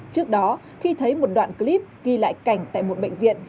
trước đó khi thấy một đoạn clip ghi lại cảnh tại một bệnh viện